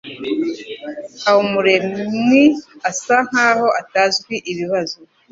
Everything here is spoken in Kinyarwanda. Habumuremwi asa nkaho atazi ibibazo.